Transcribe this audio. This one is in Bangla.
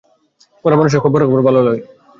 মরা মানুষের খবরাখবর ভালোভাবে রাখতে হবে।